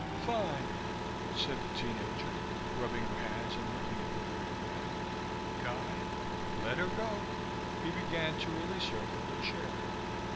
"Fine," said the teen ager, rubbing her hands and looking at the bearded man. "Guy, let her go." He began to release her from the chair.